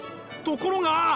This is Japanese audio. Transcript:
ところが！